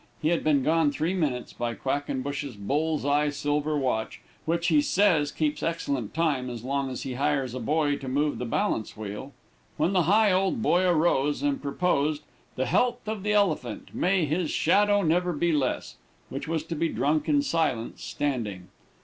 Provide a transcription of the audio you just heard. He had been gone three minutes, by Quackenbush's bull's eye silver watch, which he says keeps excellent time as long as he hires a boy to move the balance wheel, when the Higholdboy arose, and proposed "The health of the Elephant may his shadow never be less," which was to be drunk in silence, standing.